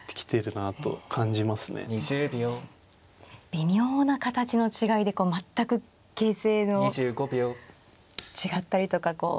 微妙な形の違いで全く形勢の違ったりとかこう。